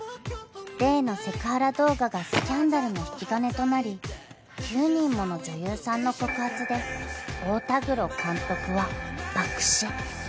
［例のセクハラ動画がスキャンダルの引き金となり９人もの女優さんの告発で太田黒監督は爆死］